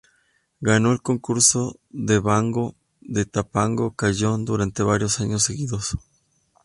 Ganó el concurso de banjo de Topanga Canyon durante varios años seguidos.